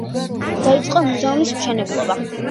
დაიწყო მუზეუმის მშენებლობა.